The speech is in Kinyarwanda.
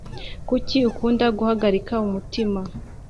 kuki ukunda guhagarika umutima,